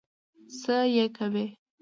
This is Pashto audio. څه يې کوې؟